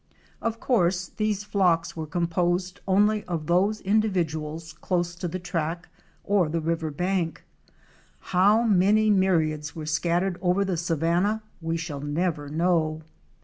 Of course these flocks were composed only of those individuals close to the track or the river bank. How many myriads were scattered over the savanna we shall never know.